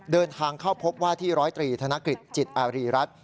เดินทางเข้าพบว่าที่ร้อยตรีธนกฤษจิตอารีรัฐ